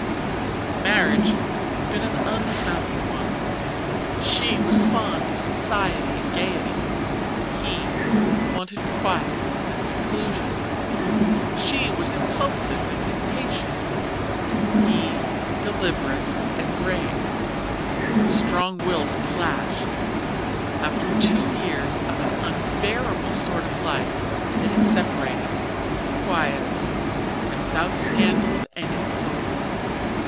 The marriage had been an unhappy one. She was fond of society and gaiety, he wanted quiet and seclusion. She Was impulsive and impatient, he deliberate and grave. The strong wills clashed. After two years of an unbearable sort of life they had separated quietly, and without scandal of any sort.